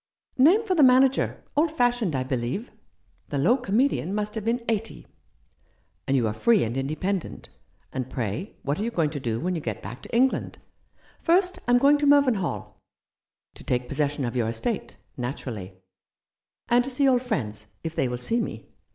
" Name for the manager ; old fashioned, I believe. The low comedian must have been eighty." "And you are free and independent. And pray, what are you going to do when you get back to England ?" II Rough Justice. "First, I am going to Mervynhall." " To take possession of your estate — naturally." "And to see old friends, if they will see me.